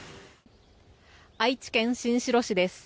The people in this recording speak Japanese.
愛知県新城市です。